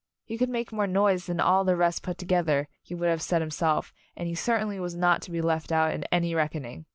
He could make more noise than all the rest put to gether, he would have said .himself, and he certainly was not to be left out in any reckoning.